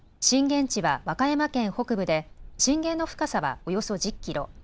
震源地は和歌山県北部で、震源の深さはおよそ１０キロ。